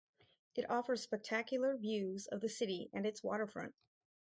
It offers spectacular views of the city and its waterfront.